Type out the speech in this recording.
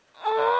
ああ。